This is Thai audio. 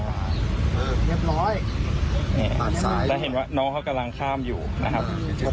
แล้วเห็นว่าน้องเขากำลังข้ามอยู่นะครับ